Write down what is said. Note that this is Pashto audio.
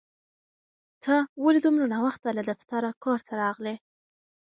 ته ولې دومره ناوخته له دفتره کور ته راغلې؟